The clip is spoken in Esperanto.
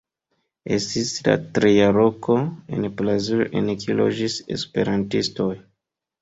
Estis la tria loko en Brazilo en kiu loĝis esperantistoj.